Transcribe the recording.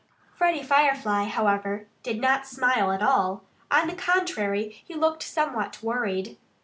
Freddie Firefly, however, did not smile at all. On the contrary, he looked somewhat worried.